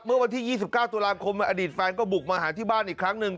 เมื่อวันที่๒๙ตุลาคมอดีตแฟนก็บุกมาหาที่บ้านอีกครั้งหนึ่ง